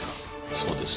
そうです。